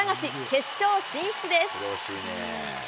決勝進出です。